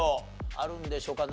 あるんでしょうか？